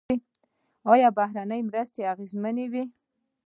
آیا بهرنۍ مرستې اغیزمنې وې؟